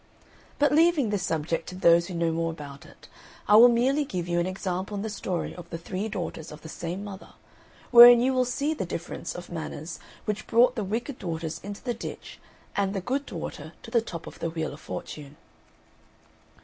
But leaving this subject to those who know more about it, I will merely give you an example in the story of the three daughters of the same mother, wherein you will see the difference of manners which brought the wicked daughters into the ditch and the good daughter to the top of the Wheel of Fortune.